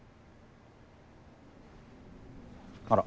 あら。